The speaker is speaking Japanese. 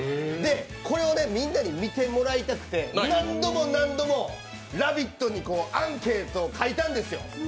これをみんなに見てもらいたくて何度も何度も「ラヴィット！」にアンケートを書いたんですよ。